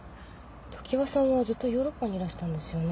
常葉さんはずっとヨーロッパにいらしたんですよね？